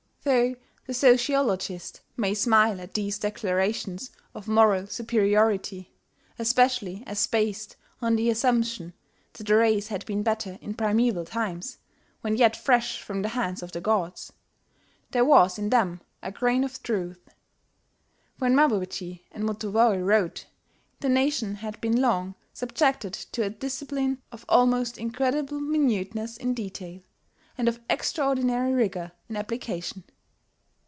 Though the sociologist may smile at these declarations of moral superiority (especially as based on the assumption that the race had been better in primeval times, when yet fresh from the hands of the gods), there was in them a grain of truth. When Mabuchi and Motowori wrote, the nation had been long subjected to a discipline of almost incredible minuteness in detail, and of extraordinary rigour in application.